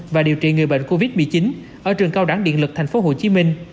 và điều trị người bệnh covid một mươi chín ở trường cao đẳng điện lực tp hcm